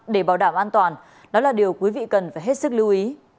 để bảo đảm an toàn đó là điều quý vị cần phải hết sức lưu ý